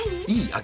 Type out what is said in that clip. いい？